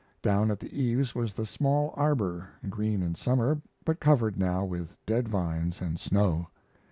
Down at the eaves was the small arbor, green in summer, but covered now with dead vines and snow.